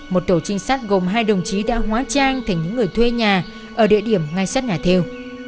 một tổ trinh sát gồm hai đồng chí đã hóa trang thành những người thuê nhà ở địa điểm ngay sát nhà theo